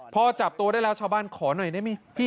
พอจับตัวได้แล้วชาวบ้านขอหน่อยนี่